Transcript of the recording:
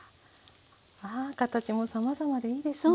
形もさまざまでいいですね。